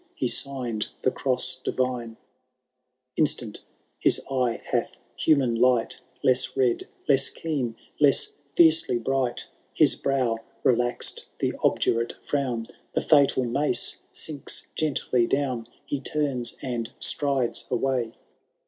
He signed tiie cross divine— Instant his eye hath human light, Less red, less keen, less fiercely bright ; His brow relaxed the obdurate frown, The fatal mace sinks gently down. He turns and strides away